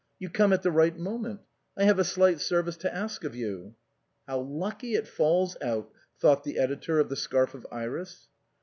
You come at the right moment. I have a slight service to ask of you." " How lucky it falls out," thought the editor of " The Scarf of Iris."